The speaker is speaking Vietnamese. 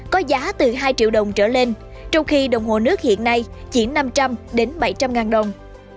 có giá từ hai triệu đồng trở lên trong khi đồng hồ nước hiện nay chỉ năm trăm linh bảy trăm linh ngàn đồng